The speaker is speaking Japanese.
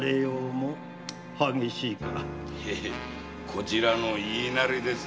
こちらの言いなりです。